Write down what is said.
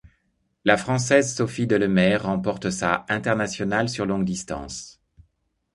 La Française Sophie Delemer remporte sa internationale sur longue distance.